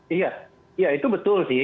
iya itu betul sih